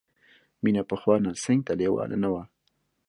مینه پخوا نرسنګ ته لېواله نه وه